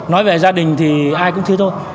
nói về gia đình thì ai cũng thế thôi